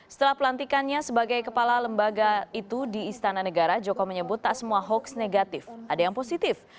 setelah pelantikannya sebagai kepala lembaga itu di istana negara joko menyebut tak semua hoax negatif ada yang positif